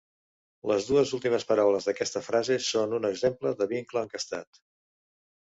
Les dues últimes paraules d'aquesta frase són un exemple de vincle encastat.